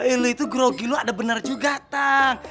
ini tuh groggy lo ada bener juga tang